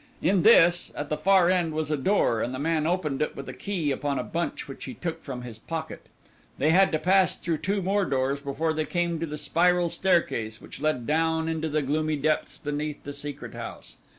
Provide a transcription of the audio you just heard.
In this, at the far end, was a door, and the man opened it with a key upon a bunch which he took from his pocket. They had to pass through two more doors before they came to the spiral staircase which led down into the gloomy depths beneath the Secret House.